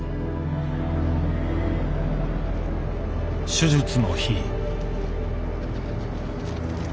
手術の日。